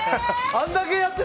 あんだけやって。